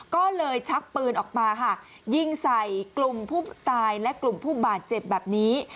ก็เลยชักปืนออกมาค่ะยิงใส่กลุ่มผู้ตายและกลุ่มผู้บาดเจ็บแบบนี้